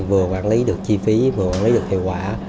vừa quản lý được chi phí vừa quản lý được hiệu quả